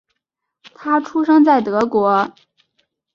他出生在德国。